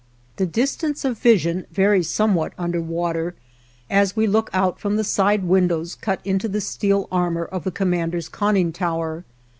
The distance of vision varies somewhat under water, as we look out from the side windows cut into the steel armor of the commander's conning tower.